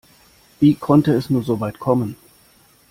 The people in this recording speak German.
Wie konnte es nur so weit kommen?